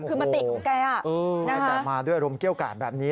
คือมันติดแกอืมแต่มาด้วยรมเกี่ยวการแบบนี้